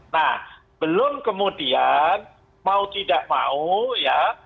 nah belum kemudian mau tidak mau ya